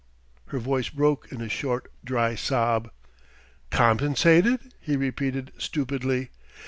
Her voice broke in a short, dry sob. "Compensated?" he repeated stupidly.